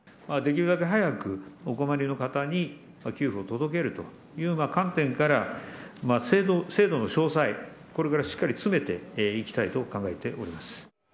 できるだけ早くお困りの方に給付を届けるという観点から、制度の詳細、これからしっかり詰めていきたいと考えております。